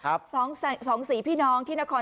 กลับบื้อไม่มีที่เอาเลย